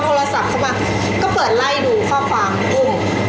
โทรศัพท์เข้ามาก็เปิดไล่ดูข้อความกุ้ง